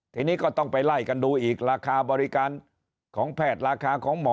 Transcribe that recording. ทีนี้ก็ต้องไปไล่กันดูอีกราคาบริการของแพทย์ราคาของหมอ